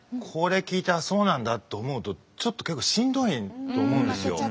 これ聴いてあっそうなんだって思うとちょっと結構しんどいと思うんですよ。